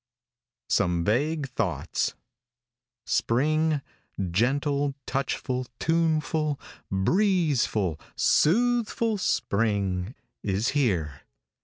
SOME VAGUE THOUGHTS. |SPRING, gentle, touchful, tuneful, breezeful, soothful spring is here.